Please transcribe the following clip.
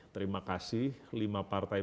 terima kasih lima partai